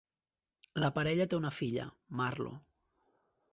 La parella té una filla, Marlo.